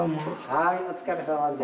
はいお疲れさまです。